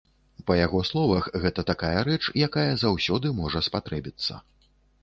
Па яго словах, гэта такая рэч, якая заўсёды можа спатрэбіцца.